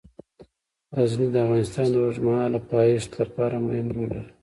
غزني د افغانستان د اوږدمهاله پایښت لپاره مهم رول لري.